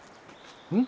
うん？